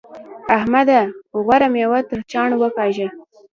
احمده! غوره مېوه تر چاڼ وکاږه.